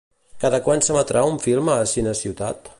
Cada quant s'emetrà un film a CineCiutat?